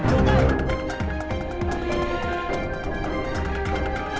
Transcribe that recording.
lo sudah nunggu